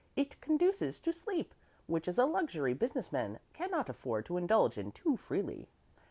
It conduces to sleep, which is a luxury business men cannot afford to indulge in too freely.